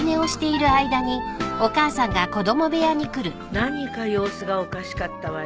何か様子がおかしかったわよねえ